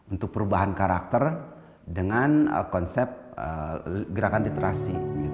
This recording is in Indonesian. untuk perubahan karakter dengan konsep gerakan literasi